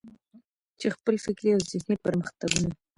چې خپل فکري او ذهني پرمختګونه.